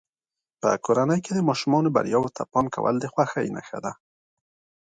په کورنۍ کې د ماشومانو بریاوو ته پام کول د خوښۍ نښه ده.